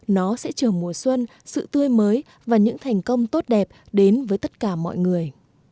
nó sẽ chờ mùa xuân sự tươi mới và những thành công tốt đẹp đến với tất cả mọi người